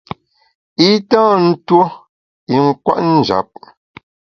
I tâ ntuo i nkwet njap.